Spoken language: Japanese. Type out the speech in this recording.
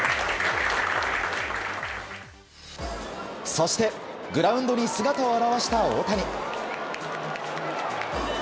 そしてグラウンドに姿を現した大谷。